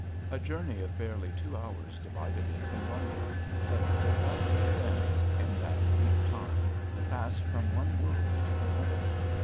A journey of barely two hours divided it from London, but the traveller thence, in that brief time, passed from one world to another.